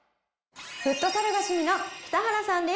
フットサルが趣味の北原さんです。